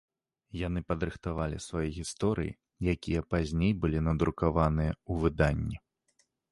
Яны падрыхтавалі свае гісторыі, якія пазней былі надрукаваныя ў выданні.